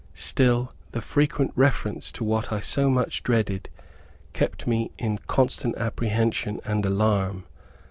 Still the frequent reference to what I so much dreaded, kept me in constant apprehension and alarm.